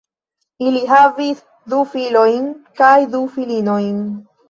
Ili havis du filojn kaj du filinojn.